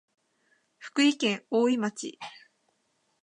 福井県おおい町